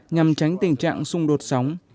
nhằm tránh tình trạng xung đột sóng